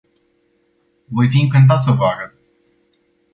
Voi fi încântat să vă arăt.